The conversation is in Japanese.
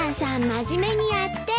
真面目にやって。